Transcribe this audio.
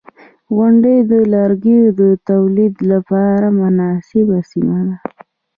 • غونډۍ د لرګیو د تولید لپاره مناسبه سیمه ده.